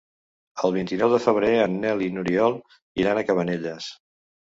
El vint-i-nou de febrer en Nel i n'Oriol iran a Cabanelles.